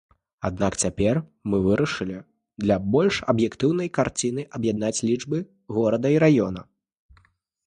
Аднак цяпер мы вырашылі для больш аб'ектыўнай карціны аб'яднаць лічбы горада і раёна.